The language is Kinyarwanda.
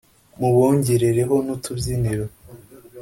mubongerereho n’utubyiniriro